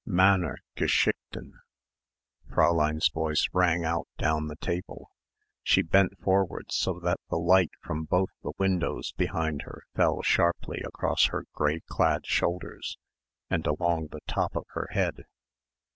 _" "Männer geschichten." Fräulein's voice rang out down the table. She bent forward so that the light from both the windows behind her fell sharply across her grey clad shoulders and along the top of her head.